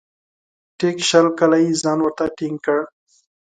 ټیک شل کاله یې ځان ورته ټینګ کړ .